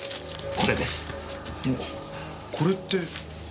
これって。